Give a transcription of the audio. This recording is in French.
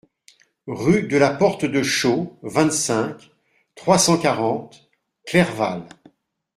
Rue de la Porte de Chaux, vingt-cinq, trois cent quarante Clerval